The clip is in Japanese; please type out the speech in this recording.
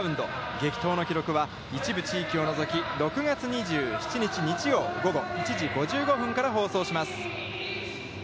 激闘の記録は一部地域を除き６月２７日日曜、午後１時５５分から放送します。